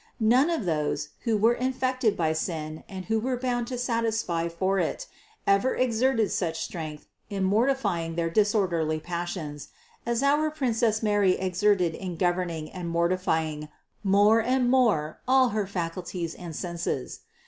None of those, who were infected by sin and who were bound to satisfy for it, ever exerted such strength in mortifying their dis orderly passions, as our Princess Mary exerted in gov erning and mortifying more and more all her faculties and senses.